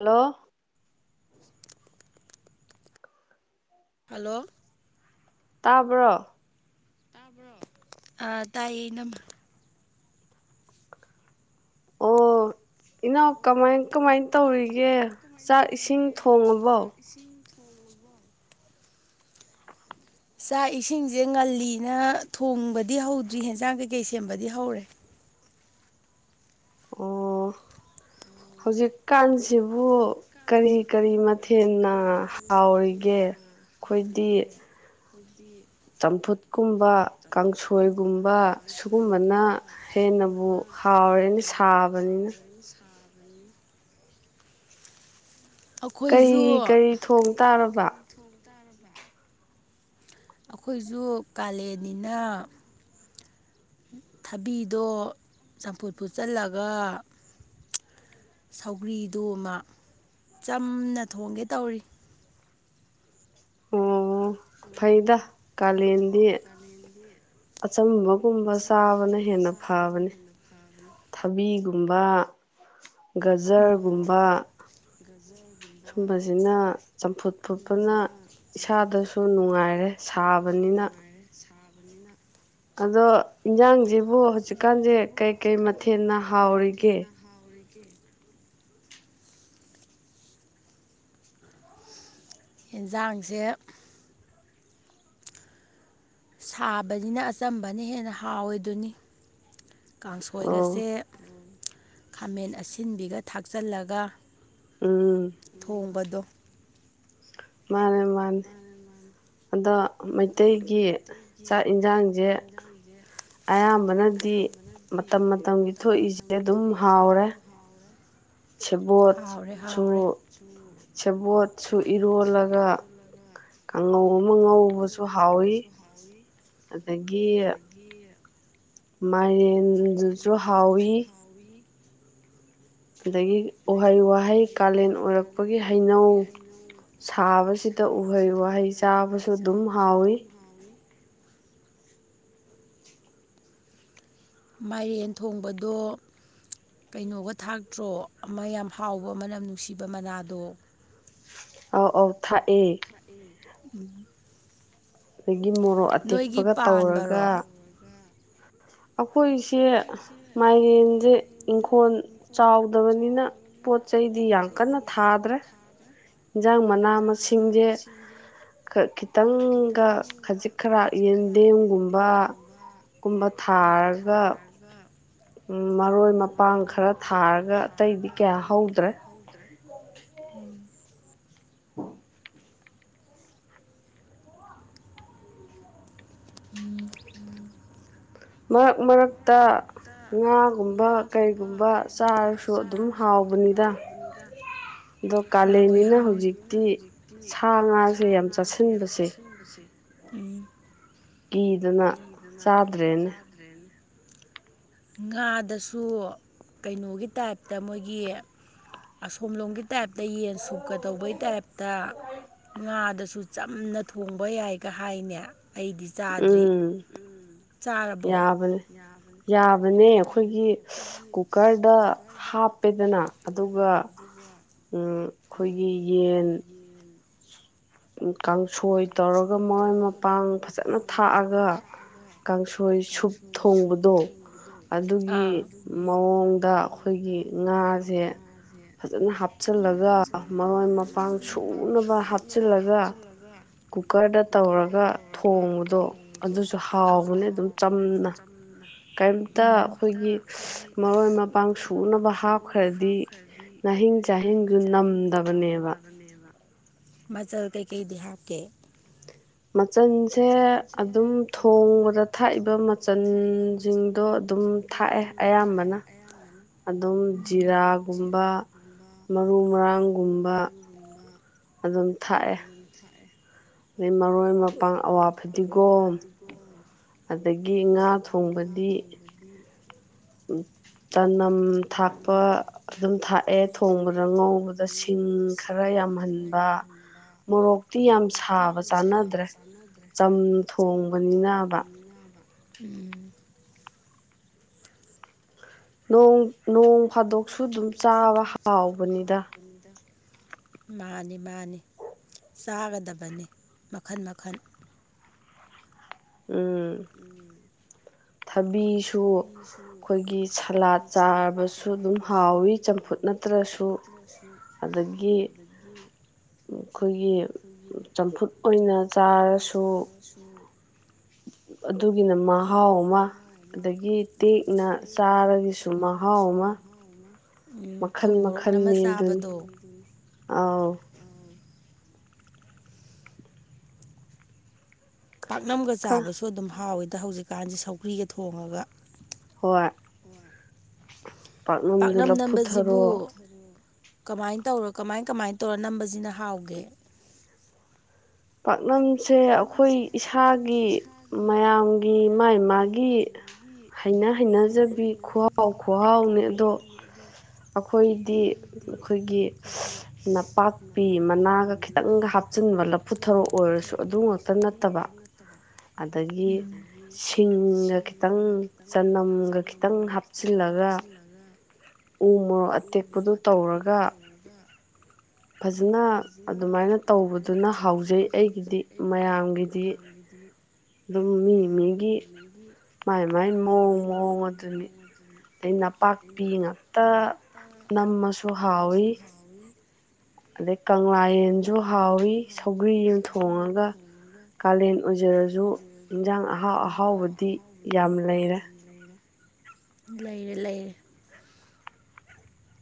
Hello. Hello. ꯇꯥꯕ꯭ꯔꯣ꯫ ꯇꯥꯕ꯭ꯔꯣ ꯑ ꯇꯥꯏꯌꯦ ꯏꯉꯝꯃ꯫ ꯑꯣ ꯏꯅꯥꯎ ꯀꯃꯥꯏ꯫ ꯀꯃꯥꯏ ꯇꯧꯔꯤꯒꯦ ꯆꯥꯛ ꯏꯁꯤꯡ ꯊꯣꯡꯉꯕꯣ꯫ ꯆꯥꯛ ꯏꯁꯤꯡꯁꯦ ꯉꯜꯂꯤꯅ ꯊꯣꯡꯕꯗꯤ ꯍꯧꯗ꯭ꯔꯤ ꯍꯦꯟꯁꯥꯡ ꯀꯩꯀꯩ ꯁꯦꯝꯕꯗꯤ ꯍꯧꯔꯦ꯫ ꯑꯣ ꯍꯧꯖꯤꯛꯀꯥꯟꯁꯤꯕꯨ ꯀꯔꯤ ꯀꯔꯤ ꯃꯊꯦꯜꯅ ꯍꯥꯎꯔꯤꯒꯦ ꯑꯩꯈꯣꯏꯗꯤ꯫ ꯆꯝꯐꯨꯠꯀꯨꯝꯕ ꯀꯥꯡꯁꯣꯏꯒꯨꯝꯕ ꯁꯨꯒꯨꯝꯕꯅ ꯍꯦꯟꯅꯕꯨ ꯍꯥꯎꯔꯦꯅꯦ ꯁꯥꯕꯅꯤꯅ꯫ ꯀꯔꯤ ꯀꯔꯤ ꯊꯣꯡ ꯇꯥꯔꯕ꯫ ꯕꯥ꯫ ꯑꯩꯈꯣꯏꯁꯨ ꯀꯥꯂꯦꯟꯅꯤꯅ꯫ ꯊꯕꯤꯗꯣ ꯆꯝꯐꯨꯠ ꯐꯨꯠꯆꯜꯂꯒ ꯁꯧꯒ꯭ꯔꯤꯗꯨꯃ ꯆꯝꯅ ꯊꯣꯡꯒꯦ ꯇꯧꯔꯤ꯫ ꯑꯣ ꯐꯩꯗ ꯀꯥꯂꯦꯟꯗꯤ ꯑꯆꯝꯕ ꯑꯆꯝꯕꯒꯨꯝꯕ ꯆꯥꯕꯅ ꯍꯦꯟꯅ ꯐꯥꯕꯅꯤ ꯊꯕꯤꯒꯨꯝꯕ ꯒꯖꯔꯒꯨꯝꯕ ꯁꯨꯝꯕꯁꯤꯅ ꯆꯝꯐꯨꯠ ꯐꯨꯠꯄꯅ ꯏꯁꯥꯗꯁꯨ ꯅꯨꯡꯉꯥꯏꯔꯦ ꯁꯥꯕꯅꯤꯅ ꯑꯗꯣ ꯏꯟꯖꯥꯡꯁꯤꯕꯨ ꯍꯧꯖꯤꯛꯀꯥꯟꯁꯦ ꯀꯩ ꯀꯩ ꯃꯊꯦꯜꯅ ꯍꯥꯎꯔꯤꯒꯦ ꯀꯦ ꯍꯦꯟꯖꯥꯡꯁꯦ ꯁꯥꯕꯅꯤꯅ ꯑꯆꯝꯕꯅ ꯍꯦꯟꯅ ꯍꯥꯎꯋꯦꯗꯨꯅꯤ ꯀꯥꯡꯁꯣꯏꯒꯁꯦ ꯈꯥꯃꯦꯟ ꯑꯁꯤꯟꯕꯤꯒ ꯊꯥꯛꯆꯤꯜꯂꯒ ꯊꯣꯡꯕꯗꯣ ꯃꯥꯅꯦ ꯋꯥꯟ [unintelligible] ꯑꯗꯣ ꯃꯩꯇꯩꯒꯤ ꯆꯥꯛ ꯌꯦꯟꯁꯥꯡꯁꯦ ꯑꯌꯥꯝꯕꯅꯗꯤ ꯃꯇꯝ ꯃꯇꯝꯒꯤ ꯊꯣꯛꯏꯁꯦ ꯑꯗꯨꯝ ꯍꯥꯎꯔꯦ ꯁꯦꯕꯣꯠꯁꯨ ꯁꯦꯕꯣꯠꯁꯨ ꯏꯔꯣꯜꯂꯒ ꯀꯥꯡꯉꯧ ꯑꯃ ꯉꯧꯕꯁꯨ ꯍꯥꯎꯋꯤ ꯑꯗꯒꯤ ꯒꯤ [unintelligible] ꯃꯥꯏꯔꯦꯟꯗꯨꯁꯨ ꯍꯥꯎꯋꯤ ꯑꯗꯒꯤ ꯎꯍꯩ ꯋꯥꯍꯩ ꯀꯥꯂꯦꯟ ꯑꯣꯏꯔꯛꯄꯒꯤ ꯍꯩꯅꯧ ꯁꯥꯕꯁꯤꯗ ꯎꯍꯩ ꯋꯥꯍꯩ ꯆꯥꯕꯁꯨ ꯑꯗꯨꯝ ꯍꯥꯎꯋꯤ ꯃꯥꯏꯔꯦꯟ ꯊꯣꯡꯕꯗꯣ ꯀꯩꯅꯣꯒ ꯊꯥꯛꯇ꯭ꯔꯣ ꯑꯃ ꯌꯥꯝ ꯍꯥꯎꯕ ꯃꯅꯝ ꯅꯨꯡꯁꯤꯕ ꯃꯅꯥꯗꯣ ꯑꯥꯎ ꯑꯥꯎ ꯊꯥꯛꯑꯦ ꯎꯝ [unintelligible] ꯒꯤ ꯃꯣꯔꯣꯛ ꯑꯇꯦꯛꯄꯒ ꯇꯧꯔꯒ ꯑꯩꯈꯣꯏ ꯀꯦ ꯃꯥꯏꯔ‌ꯦꯟꯖ‌ꯦ ꯏꯪꯈꯣꯜ ꯆꯥꯎꯗꯕꯅꯤꯅ ꯄꯣꯠ ꯆꯍꯤꯗꯤ ꯌꯥꯝ ꯀꯟꯅ ꯊꯥꯗ꯭ꯔꯦ ꯌꯦꯟꯁꯥꯡ ꯃꯅꯥ ꯃꯁꯤꯡꯁꯦ ꯈꯤꯇꯪꯒ ꯈꯖꯤꯛ ꯈꯔꯥꯛ ꯌꯦꯟꯗꯦꯝꯒꯨꯝꯕꯨꯒꯨꯝꯕ ꯊꯥꯔꯒ ꯎꯝ ꯃꯔꯣꯏ ꯃꯄꯥꯡ ꯈꯔ ꯊꯥꯔꯒ ꯑꯇꯩꯗꯤ ꯀꯌꯥ ꯍꯧꯗ꯭ꯔꯦ ꯎꯝ [unintelligible] ꯎꯝ ꯃꯔꯛ ꯃꯔꯛꯇ ꯉꯥ ꯨꯝꯕ ꯀꯩꯒꯨꯝꯕ ꯆꯥꯔꯁꯨ ꯑꯗꯨꯝ ꯍꯥꯎꯕꯅꯤꯗ ꯑꯗꯣ ꯀꯥꯂꯦꯟꯅꯤꯅ ꯍꯧꯖꯤꯛꯇꯤ ꯁꯥ ꯉꯥꯁꯦ ꯌꯥꯝ ꯆꯥꯁꯤꯟꯕꯁꯦ ꯎꯝ ꯀꯤꯗꯨꯅ ꯆꯥꯗ꯭ꯔꯦꯅꯦ ꯉꯥꯗꯁꯨ ꯀꯩꯅꯣꯒꯤ ꯇꯥꯏꯞꯇ ꯃꯣꯏꯒꯤ ꯑꯁꯣꯝꯂꯣꯝꯒꯤ ꯇꯥꯏꯞꯇ ꯌꯦꯟ ꯁꯨꯞꯀ ꯇꯧꯕꯩ ꯇꯥꯏꯞꯇ ꯉꯥꯗꯁꯨ ꯆꯝꯅ ꯊꯣꯡꯕ ꯌꯥꯏꯒ ꯍꯥꯏꯅꯦ ꯑꯩꯗꯤ ꯆꯥꯗ꯭ꯔꯤ ꯎꯝ ꯌꯥꯕꯅꯦ ꯌꯥꯕꯅꯦ ꯑꯩꯈꯣꯏꯒꯤ ꯀꯨꯀꯔꯗ ꯍꯥꯞꯄꯦꯗꯅ ꯑꯗꯨꯒ ꯎ ꯑꯩꯈꯣꯏꯒꯤ ꯌꯦꯟ ꯀꯥꯡꯁꯣꯏ ꯇꯧꯔꯒ ꯃꯔꯣꯏ ꯃꯄꯥꯡ ꯐꯖꯅ ꯊꯥꯛꯑꯒ ꯀꯥꯡꯁꯣꯏ ꯁꯨꯞ ꯊꯣꯡꯕꯗꯣ ꯑꯗꯨꯒꯤ ꯃꯑꯣꯡꯗ ꯑꯩꯈꯣꯏꯒꯤ ꯉꯥꯁꯦ ꯐꯖꯅ ꯍꯥꯞꯆꯤꯜꯂꯒ ꯃꯔꯣꯏ ꯃꯄꯥꯡ ꯁꯨꯅꯕ ꯆꯜꯂꯒ ꯀꯨꯀꯔꯗ ꯇꯧꯔꯒ ꯊꯣꯡꯕꯗꯣ ꯑꯗꯨꯁꯨ ꯍꯥꯎꯕꯅꯦ ꯑꯗꯨꯝ ꯆꯝꯅ ꯑꯝꯇ ꯑꯩꯈꯣꯏꯒꯤ ꯃꯔꯣꯏ ꯃꯄꯥꯡ ꯁꯨꯅꯕ ꯍꯥꯞꯈ꯭ꯔꯗꯤ ꯉꯥꯍꯤꯡ ꯆꯥꯍꯤꯡꯗꯨ ꯅꯝꯗꯕꯅꯦꯕ ꯃꯆꯜ ꯀꯩ ꯀꯩ ꯗꯦꯍꯥ ꯀ ꯃꯆꯜꯁꯦ ꯑꯗꯨꯝ ꯊꯣꯡꯕꯗ ꯊꯥꯛꯏꯕ ꯃꯆꯜꯁꯤꯡꯗꯣ ꯑꯗꯨꯝ ꯊꯥꯛꯑꯦ ꯑꯌꯥꯝꯕꯅ ꯑꯗꯨꯝ ꯖꯤꯔꯥꯒꯨꯝꯕ ꯃꯔꯨ ꯃꯔꯥꯡꯒꯨꯝꯕ ꯑꯗꯨꯝ ꯊꯥꯛꯑꯦ ꯑꯗꯩ ꯃꯔꯣꯏ ꯃꯄꯥꯡ ꯑꯋꯥ ꯐꯗꯤꯒꯣꯝ ꯑꯗꯒꯤ ꯉꯥ ꯊꯣꯡꯕꯗꯤ ꯆꯅꯝ ꯊꯥꯛꯄ ꯑꯗꯨꯝ ꯊꯥꯛꯑꯦ ꯊꯣꯡꯕꯗ ꯉꯧꯕꯗ ꯁꯤꯡ ꯈꯔ ꯌꯥꯝꯍꯟꯕ ꯃꯣꯔꯣꯛꯇꯤ ꯌꯥꯝ ꯁꯥꯕ ꯆꯥꯅꯗ ꯆꯥꯟꯅꯗ꯭ꯔꯦ ꯆꯅꯤ ꯊꯣꯡꯕꯅꯤ ꯌꯥꯕ ꯅꯣꯡ ꯐꯥꯗꯣꯛꯁꯨ ꯑꯗꯨꯝ ꯆꯥꯕ ꯍꯥꯎꯕꯅꯤꯗ ꯃꯥꯅꯤ ꯃꯥꯅꯤ ꯆꯥꯒꯗꯕꯅꯤ ꯃꯈꯜ ꯃꯈꯜ ꯎ ꯊꯕꯤꯁꯨ ꯑꯩꯈꯣꯏꯒꯤ ꯁꯂꯥꯠ ꯆꯥꯔꯕꯁꯨ ꯑꯗꯨꯝ ꯍꯥꯎꯋꯤ ꯆꯝꯐꯨꯠ ꯅꯠꯇ꯭ꯔꯁꯨ ꯑꯗꯒꯤ ꯑꯩꯈꯣꯏꯒꯤ ꯆꯝꯐꯨꯠ ꯑꯣꯏꯅ ꯆꯥꯔꯁꯨ ꯑꯗꯨꯒꯤꯅ ꯃꯍꯥꯎ ꯑꯃ ꯑꯗꯒꯤ ꯇꯦꯛꯅ ꯆꯥꯔꯒꯤꯁꯨ ꯃꯍꯥꯎ ꯑꯃ ꯃꯈꯜ ꯃꯈꯜꯅꯤ ꯑꯗꯨꯅꯤ ꯑꯥꯎ ꯄꯥꯛꯅꯝꯒ ꯆꯥꯕꯁꯨ ꯑꯗꯨꯝ ꯍꯥꯎꯋꯤ ꯑ ꯍꯧꯖꯤꯛꯀꯥꯟꯁꯤ ꯁꯧꯒ꯭ꯔꯤꯒ ꯊꯣꯡꯉꯒ ꯍꯣꯏ꯫ ꯄꯥꯛꯅꯝꯗꯨꯂꯞ ꯐꯨꯊꯔꯣ ꯀꯃꯥꯏꯅ ꯇꯧꯔꯣ ꯀꯃꯥꯏ ꯀꯃꯥꯏ ꯇꯧꯔ ꯅꯝꯕꯁꯤꯅ ꯍꯥꯎꯒꯦ ꯄꯥꯛꯅꯝ ꯁꯦ ꯑꯩꯈꯣꯏ ꯏꯁꯥꯒꯤ ꯃꯌꯥꯝꯒꯤ ꯏꯃꯥ ꯃꯥꯒꯤ ꯑꯩꯅ ꯍꯩꯅꯖꯕꯤ ꯈꯨꯍꯥꯎ ꯈꯨꯍꯥꯎꯅꯦ ꯑꯗꯣ ꯑꯩꯈꯣꯏꯗꯤ ꯑꯩꯈꯣꯏꯒꯤ ꯅꯄꯥꯛꯄꯤ ꯃꯅꯥꯒ ꯈꯤꯇꯪꯒ ꯍꯥꯞꯆꯤꯟꯕ ꯐ ꯄꯨꯊꯔꯛ ꯑꯣꯏꯔꯁꯨ ꯑꯗꯨ ꯉꯥꯛꯛꯇ ꯅꯠꯇꯕ ꯑꯗꯒꯤ ꯁꯤꯡꯒ ꯈꯤꯇꯪ ꯆ ꯈꯤꯇꯪ ꯍꯥꯞꯆꯤꯜꯂꯒ ꯎ ꯃꯣꯔꯣꯛ ꯑꯇꯦꯛꯄꯗꯨ ꯇꯧꯔꯒ ꯐꯖꯅ ꯑꯗꯨꯃꯥꯏꯅ ꯇꯧꯕꯗꯨꯅ ꯍꯥꯎꯖꯩ ꯑꯩꯒꯤꯗꯤ ꯃꯌꯥꯝꯒꯤꯗꯤ ꯑꯗꯨꯝ ꯃꯤ ꯃꯤꯒꯤ ꯥꯏ ꯃꯥꯏ ꯃꯑꯣꯡ ꯑꯗꯨꯅꯤ ꯑꯗꯩ ꯅꯄꯥꯛꯄꯤ ꯉꯥꯛꯇ ꯅꯝꯃꯁꯨ ꯍꯥꯎꯋꯏ ꯑꯗꯩ ꯀꯪꯂꯥ ꯌꯦꯟꯁꯨ ꯍꯥꯎꯋꯤ ꯁꯧꯒ꯭ꯔꯤ ꯌꯦꯟ ꯊꯣꯡꯉꯒ ꯀꯥꯂꯦꯟ ꯑꯣꯏꯖꯔꯁꯨ ꯏꯟꯖꯥꯡ ꯑꯍꯥꯎ ꯑꯍꯥꯎꯕꯗꯤ ꯌꯥꯝ ꯂꯩꯔꯦ ꯂꯩꯔꯦ ꯂꯩꯔꯦ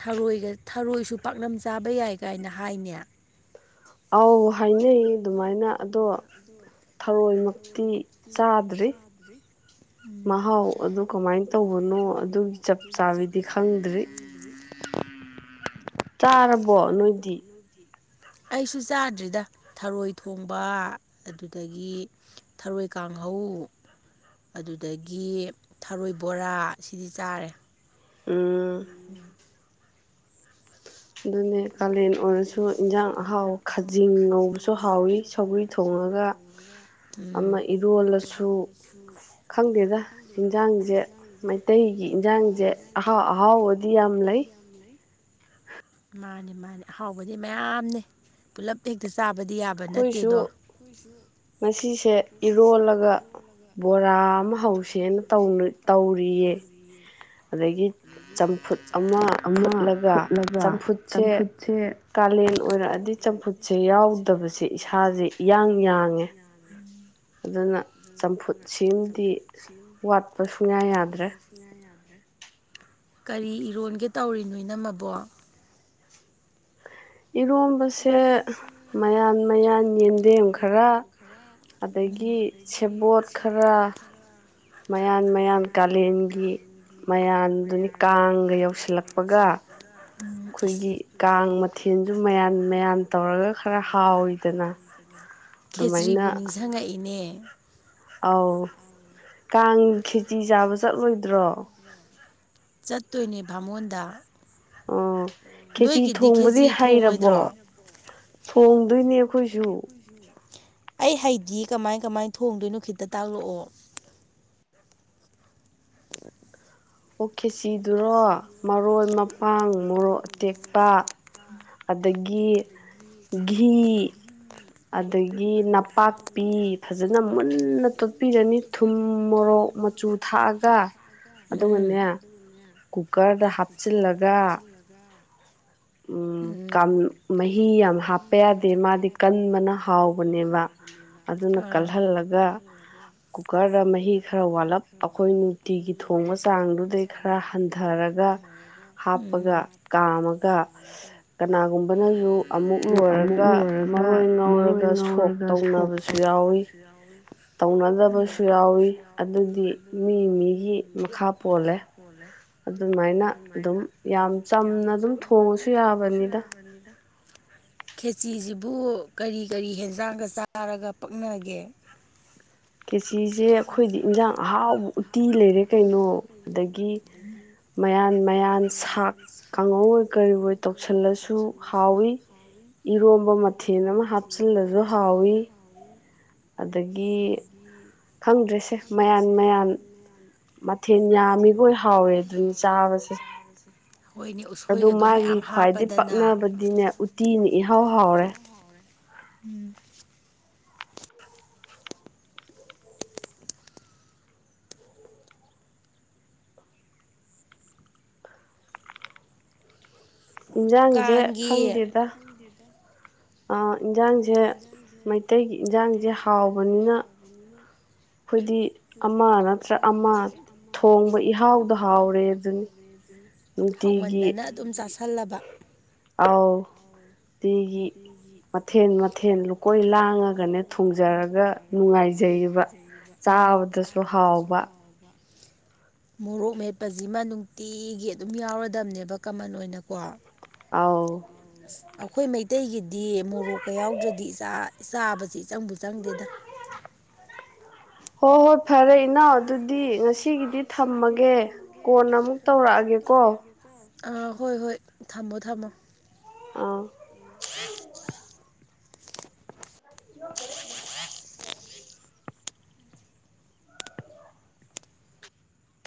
ꯊꯔꯣꯏ ꯊꯔꯣꯏꯁꯨ ꯄꯥꯛꯅꯝ ꯆꯥꯕ ꯌꯥꯏ ꯀꯥꯏꯅ ꯍꯥꯏꯅꯦ ꯑꯥꯎ ꯍꯥꯏꯅꯩ ꯑꯗꯨꯃꯥꯏꯅ ꯑꯗꯣ ꯊꯑꯣꯏ ꯅꯨꯡꯄꯤꯤ ꯆꯥꯗ꯭ꯔꯔꯤ ꯃꯍꯥꯎ ꯑꯗꯨ ꯀꯃꯥꯏꯅ ꯇꯧꯕꯅꯣ ꯑꯗꯨꯒꯤ ꯆꯞ ꯆꯥꯕꯗꯤ ꯆꯥꯔꯕꯣ ꯅꯣꯏꯗꯤ ꯑꯩꯁꯨ ꯆꯥꯗ꯭ꯔꯤꯗ ꯊꯔꯣꯏ ꯊꯣꯡꯕ ꯑꯗꯨꯗꯒꯤ ꯊꯔꯣꯏ ꯀꯥꯡꯍꯧ ꯑꯗꯨꯗꯒꯤ ꯊꯔꯣꯏ ꯕꯣꯔꯥ ꯁꯤꯗꯤ ꯆꯥꯔꯦ ꯑ ꯑꯗꯨꯅꯦ ꯀꯥꯂꯦꯟ ꯑꯣꯏ ꯏꯟꯖꯥꯡ ꯑꯍꯥꯎ ꯈꯖꯤꯡ ꯂꯣꯡꯧꯕꯁꯨ ꯍꯥꯎꯋꯤ ꯁꯣꯕꯤ ꯊꯣꯡꯉꯒ ꯑꯃ ꯑꯗꯨꯅꯁꯨ ꯈꯪꯗꯦꯗ ꯏꯟꯖꯥꯡꯁꯦ ꯃꯩꯇꯩꯒꯤ ꯏꯟꯖꯥꯡꯁꯦ ꯑꯍꯥꯎ ꯑꯍꯥꯎꯕꯗꯤ ꯌꯥꯝ ꯂꯩ ꯃꯥꯅꯤ ꯃꯥꯅꯤ ꯑꯍꯥꯎꯕꯗꯤ ꯃꯌꯥꯝꯅꯤ ꯄꯨꯂꯞ ꯍꯦꯛꯇ ꯆꯥꯕ ꯑꯩꯈꯣꯏꯁꯨ ꯉꯁꯤꯁꯦ ꯏꯔꯣꯜꯂꯒ ꯕꯣꯔꯥ ꯑꯃ ꯍꯧꯁꯦꯅ ꯇꯧꯔꯤꯌꯦ ꯑꯗꯒꯤ ꯆꯝꯐꯨꯠ ꯑꯃ ꯐꯨꯠꯂꯒ ꯆꯝꯐꯨꯠ ꯁꯦ ꯀꯥꯂꯦꯟ ꯑꯣꯏꯔꯛꯑꯗꯤ ꯆꯝꯐꯨꯠ ꯁꯦ ꯌꯥꯎꯗꯕꯁꯦ ꯁꯥꯁꯤ ꯏꯌꯥꯡ ꯌꯥꯡꯉꯦ ꯑꯗꯨꯅ ꯆꯝꯐꯨꯠ ꯁꯤ ꯗꯤ ꯋꯥꯠꯄ ꯁꯨꯡꯌꯥ ꯌꯥꯗ꯭ꯔꯦ ꯀꯔꯤ ꯏꯔꯣꯟꯒꯦ ꯇꯧꯔꯤꯅꯣ ꯏ ꯅ ꯃꯕꯣ ꯏꯔꯣꯟꯕꯁꯦ ꯃꯌꯥꯝ ꯃꯌꯥꯝ ꯌꯦꯗꯦꯝ ꯈꯔ ꯑꯗꯒꯤ ꯁꯃ ꯈꯔ ꯃꯌꯥꯟ ꯃꯌꯥꯟ ꯀꯥꯂꯦꯟꯒꯤ ꯃꯌꯥꯟꯗꯨꯅꯤ ꯀꯥꯡꯒ ꯌꯧꯁꯤꯜꯂꯛꯄꯒ ꯑꯩꯈꯣꯏꯒꯤ ꯀꯥꯡ ꯃꯊꯦꯜꯁꯨ ꯃꯌꯥꯟ ꯃꯌꯥꯟ ꯇꯧꯔꯒ ꯈꯔ ꯍꯥꯎꯋꯤꯗꯅ ꯈꯦꯇ꯭ꯔꯤꯕꯨ ꯅꯤꯡꯁꯤꯡꯉꯛꯏ ꯏꯅꯦ ꯑꯥꯎ ꯀ ꯈꯦꯇꯤ ꯆꯥꯕ ꯆꯠꯂꯣꯏꯗ꯭ꯔꯥ ꯆꯠꯇꯣꯏꯅꯦ ꯚꯥꯃꯣꯟꯗ ꯑꯣ ꯀꯦꯖꯤꯤ ꯊꯣꯡꯕꯗꯤ ꯍꯩꯔꯕꯣ ꯊꯣꯡꯗꯣꯏꯅꯦ ꯑꯩꯈꯣꯏꯁꯨ ꯑꯩ ꯍꯗꯤ ꯀꯃꯥꯏ ꯀꯃꯥꯏ ꯊꯣꯡꯗꯣꯏꯅꯣ ꯈꯤꯠꯇ ꯇꯥꯛꯂꯛꯑꯣ ꯑꯣꯀꯦ ꯐꯤꯁꯤꯗꯨꯔꯣ ꯃꯔꯣꯏ ꯄꯥꯡ ꯃꯣꯔꯣꯛ ꯑꯇꯦꯛꯄ ꯑꯗꯒꯤ ꯘꯤ ꯑꯗꯒꯤ ꯅꯄꯥꯛꯄꯤ ꯐꯖꯅ ꯃꯨꯟꯅ ꯇ ꯇꯞꯄꯤꯤꯟꯒꯅꯤ ꯊꯟ ꯃꯣꯔꯣꯛ ꯃꯆꯨ ꯊꯥꯛꯑꯒ ꯑꯗꯨꯒꯅꯦ ꯀꯨꯀꯔꯗ ꯍꯥꯞꯆꯤꯜꯂꯒ ꯃꯍꯤ ꯌꯥꯝ ꯍꯥꯞꯄ ꯌꯥꯗꯦ ꯃꯥꯗꯤ ꯀꯟꯕꯅ ꯍꯥꯎꯕꯅꯦꯕ ꯑꯗꯨꯅ ꯀꯜꯍꯜꯂꯒ ꯀꯨꯀ ꯈꯔ ꯃꯍꯤ ꯈꯔ ꯋꯥꯠꯂꯞ ꯑꯩꯈꯣꯏ ꯅꯨꯡꯇꯤꯒꯤ ꯊꯣꯡꯕ ꯆꯥꯡꯗꯨꯗꯩ ꯈꯔ ꯍꯟꯊꯔꯒ ꯍꯥꯞꯄꯒ ꯀꯥꯝꯃꯒ ꯀꯅꯥꯒꯨꯝꯕꯅꯁꯨ ꯑꯃꯨꯛ ꯂꯣꯏꯔꯒ ꯃꯔꯣꯏ ꯉꯧꯔꯒ ꯁꯣꯛ ꯇꯧꯅꯕꯁꯨ ꯌꯥꯎꯋꯤ ꯇꯧꯅꯗꯕꯁꯨ ꯌꯥꯎꯏꯤ ꯐꯕꯁꯨ ꯌꯥꯎꯋꯤ ꯑꯗꯨꯒꯤ ꯃꯤꯅꯤꯒꯤ ꯃꯈꯥ ꯄꯣꯜꯂꯦ ꯑꯗꯨꯃꯥꯏꯅ ꯑꯗꯨꯝ ꯌꯥꯝ ꯆꯝꯅ ꯑꯗꯨꯝ ꯊꯣꯡꯉꯁꯨ ꯌꯥꯕꯅꯤꯗ ꯈꯦꯆꯤꯁꯤꯕꯨ ꯀꯔꯤ ꯀꯔꯤ ꯍꯦꯟꯖꯥꯡꯒ ꯆꯥꯔꯒ ꯄꯛꯅꯒꯦ ꯀꯤꯁꯤꯁꯤꯦ ꯑꯩꯈꯣꯏꯒꯤ ꯏꯟꯖꯥꯡ ꯑꯍꯥ ꯎꯇꯤꯅꯦꯕ ꯀꯩꯅꯣ ꯑꯗꯒꯤ ꯃꯌꯥꯝ ꯃꯌꯥꯝ ꯀꯥꯡꯍꯧ ꯀꯩ ꯇꯧꯁꯜꯂꯁꯨ ꯍꯥꯎꯋꯤ ꯏꯔꯣꯕ ꯃꯊꯦꯡꯅ ꯍꯥꯞꯆꯤꯜꯕꯁꯨ ꯍꯥꯎꯋꯤ ꯑꯗꯒꯤ ꯈꯪꯗ꯭ꯔꯦꯁꯦ ꯃꯌꯥꯟ ꯃꯌꯥꯟ ꯃꯊꯦꯜ ꯌꯥꯝꯃꯤꯈꯣꯏ ꯍꯥꯎꯋꯦ ꯑꯗꯨꯅꯤ ꯆꯥꯕꯁꯦ ꯑꯗꯨ ꯃꯥꯒꯤ ꯈ꯭ꯋꯥꯏꯗ ꯄꯛꯅꯕꯗꯤꯅꯦ ꯎꯇꯤꯅꯦ ꯏꯍꯥꯎ ꯍꯥꯎꯔꯦ ꯎꯝ [inaudible] ꯏꯟꯁꯥꯡꯁꯦ ꯈꯪꯗꯦꯗ ꯑ ꯏꯟꯖꯥꯡꯁꯦ ꯃꯩꯇꯩꯒꯤ ꯏꯟꯖꯥꯡꯁꯦ ꯍꯥꯎꯕꯅꯤꯅ ꯑꯩꯈꯣꯏꯗꯤ ꯑꯃ ꯅꯠꯇ꯭ꯔ ꯑꯃ ꯊꯣꯡꯕ ꯏꯍꯥꯎꯗ ꯍꯥꯎꯔꯦ ꯑꯗꯨꯅꯤ ꯅꯨꯡꯇꯤꯒꯤ ꯍꯜꯂꯕ ꯑꯥꯎ ꯄꯤꯒꯤ ꯃꯊꯦꯜ ꯃꯊꯦꯜ ꯂꯨꯀꯣꯏ ꯂꯥꯡꯉꯒꯅꯦ ꯊꯨꯖꯔꯒ ꯅꯨꯡꯉꯥꯏꯖꯔꯤꯕ ꯆꯥꯕꯗꯁꯨ ꯍꯥꯎꯕ ꯃꯣꯔꯣꯛ ꯃꯦꯠꯄꯁꯤꯃ ꯅꯨꯡꯇꯤꯒꯤ ꯑꯗꯨꯝ ꯌꯥꯎꯔꯗꯝꯅꯦꯕ ꯀꯃꯟ ꯑꯣꯏꯅꯀꯣ ꯑꯥꯎ ꯑ ꯈꯣꯏ ꯃꯩꯇꯩꯒꯤꯗꯤ ꯃꯣꯔꯣꯛꯀ ꯌꯥꯎꯗ꯭ꯔꯗꯤ ꯏꯆꯥ ꯆꯥꯕꯁꯤ ꯏꯆꯪꯕꯨ ꯆꯪꯗꯦꯗ ꯍꯣ ꯍꯣ ꯐꯔꯦ ꯏꯅꯥꯎ ꯑꯗꯨꯗꯤ ꯉꯁꯤꯒꯤꯗꯤ ꯊꯝꯃꯒꯦ ꯀꯣꯟꯅ ꯑꯃꯨꯛ ꯇꯧꯔꯛꯑꯒꯦꯀꯣ ꯑꯥ ꯍꯣꯏ ꯍꯣꯏ ꯊꯝꯃꯣ ꯊꯝꯃꯣ ꯑ [inaudible]